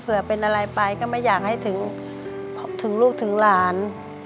เป็นอะไรไปก็ไม่อยากให้ถึงลูกถึงหลาน